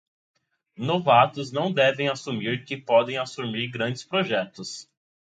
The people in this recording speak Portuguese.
Novatos não devem assumir que podem assumir grandes projetos.